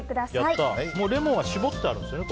レモンは絞ってあるんですよね？